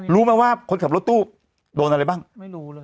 รู้ไหมว่าคนขับรถตู้โดนอะไรบ้างไม่รู้เลย